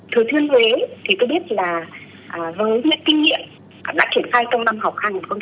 thừa thiên huế thì tôi biết là với những kinh nghiệm đã triển khai trong năm học hai nghìn hai mươi hai nghìn hai mươi một